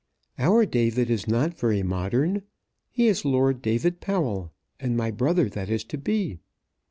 "Our David is not very modern. He is Lord David Powell, and my brother that is to be.